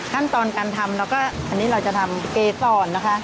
ขั้นตอนการทำแล้วก็อันนี้เราจะทำเกษรนะคะ